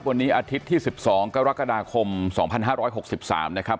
วันนี้อาทิตย์ที่๑๒กรกฎาคม๒๕๖๓นะครับ